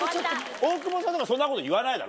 大久保さんとかそんなこと言わないだろ？